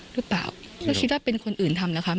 หรือเปล่าแล้วคิดว่าเป็นคนอื่นทำเหรอคะ